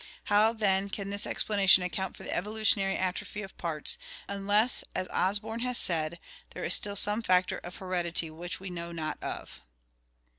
How then can this explanation account for the evolutionary atrophy of parts, unless, as Osborn has said, there is still some factor of hered ity which we know not of?